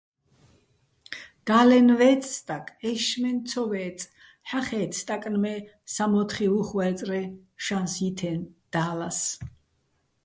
და́ლენ ვე́წე̆ სტაკ, ე́შშმენ ცო ვე́წე̆, ჰ̦ახე́თე̆, სტაკნ მე სამო́თხი ვუხვე́რწრეჼ შანს ჲითეჼ და́ლას.